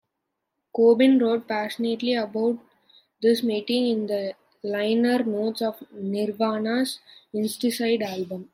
Cobain wrote passionately about this meeting in the liner notes of Nirvana's "Incesticide" album.